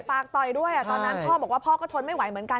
ต่อยด้วยตอนนั้นพ่อบอกว่าพ่อก็ทนไม่ไหวเหมือนกัน